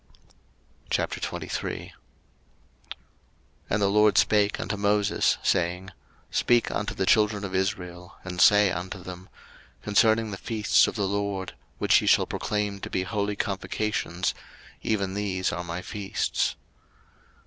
03:023:001 And the LORD spake unto Moses, saying, 03:023:002 Speak unto the children of Israel, and say unto them, Concerning the feasts of the LORD, which ye shall proclaim to be holy convocations, even these are my feasts.